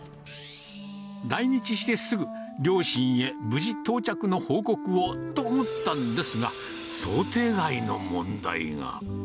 来日してすぐ、両親へ無事到着の報告をと思ったんですが、想定外の問題が。